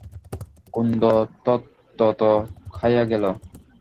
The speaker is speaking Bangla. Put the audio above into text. কুন্দ থতথত খাইয়া গেল।